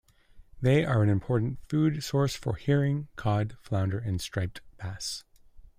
They are an important food source for herring, cod, flounder, and striped bass.